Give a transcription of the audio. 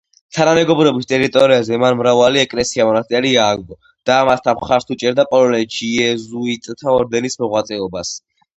თანამეგობრობის ტერიტორიაზე მან მრავალი ეკლესია-მონასტერი ააგო და ამასთან მხარს უჭერდა პოლონეთში იეზუიტთა ორდენის მოღვაწეობას.